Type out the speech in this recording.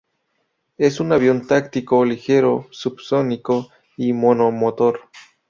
Es un avión táctico ligero subsónico y monomotor.